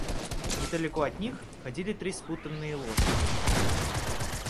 Недалеко от них ходили три спутанные лошади.